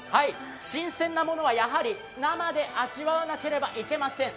新鮮なものはやはり生で味わわなければいけません。